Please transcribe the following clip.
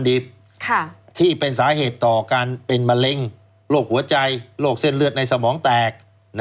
ที่เป็นสาเหตุต่อการเป็นมะเร็งโรคหัวใจโรคเส้นเลือดในสมองแตก